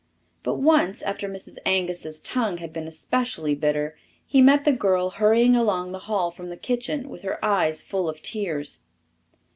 But once, after Mrs. Angus's tongue had been especially bitter, he met the girl hurrying along the hall from the kitchen with her eyes full of tears.